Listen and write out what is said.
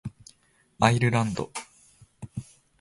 アイルランド